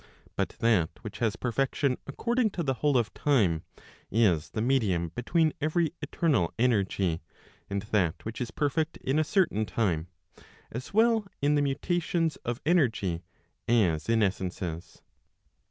But that which has perfection according to the whole of time, is the medium between every eternal energy, and that which is perfect in a certain time, as well in the mutations of energy, as in essences.